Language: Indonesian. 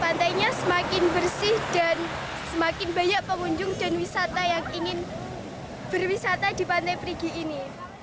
pantainya semakin bersih dan semakin banyak pengunjung dan wisata yang ingin berwisata di pantai perigi ini